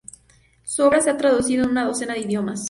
Su obra se ha traducido a una decena de idiomas.